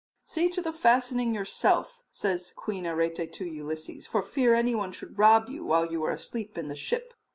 "See to the fastening yourself," says Queen Arete to Ulysses, "for fear anyone should rob you while you are asleep in the ship."